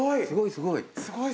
すごいぞ。